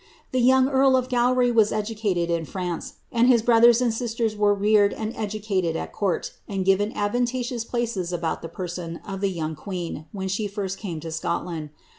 The young earl of Gowry was educated in France, and his brothers and sisters were reared and educated at cnuri, and ciu^i advantageous places about the person of the young ijueen. when 'be rir i came to Scotland.